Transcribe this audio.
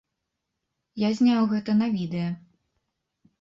Я зняў гэта на відэа.